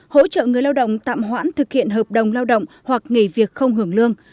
hỗ trợ người lao động tạm hoãn thực hiện hợp đồng lao động hoặc nghỉ việc không hưởng lương